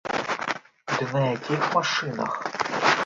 Ды на якіх машынах!